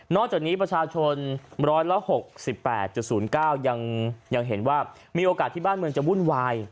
จากนี้ประชาชน๑๖๘๐๙ยังเห็นว่ามีโอกาสที่บ้านเมืองจะวุ่นวาย